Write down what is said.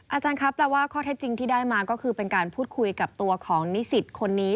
อาจารย์ครับแปลว่าข้อเท็จจริงที่ได้มาก็คือเป็นการพูดคุยกับตัวของนิสิตคนนี้